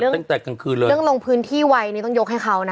แต่สิเรื่องเกิดในกันเนี่ยล่อยความเจ็บเรื่องลงพื้นที่ไวต้องยกให้เขานะคะ